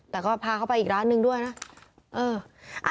แต่ก็พาเขาไปอีกร้านหนึ่งด้วยนะ